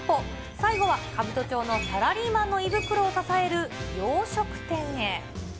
最後は、兜町のサラリーマンの胃袋を支える洋食店へ。